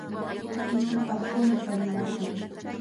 Ichik allqumi kanimarqun.